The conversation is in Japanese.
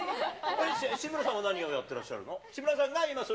しむらさんは何をやってらっしゃるの？